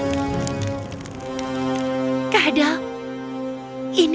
yang harus aku lakukan hanyalah mengambil peta dan menciptakan ilusi